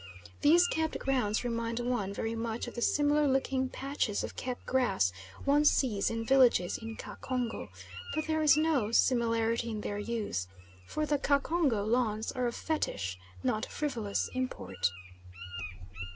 These kept grounds remind one very much of the similar looking patches of kept grass one sees in villages in Ka Congo, but there is no similarity in their use, for the Ka Congo lawns are of fetish, not frivolous, import.